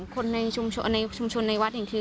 คนในชุมชนในวัดอย่างนี้คือ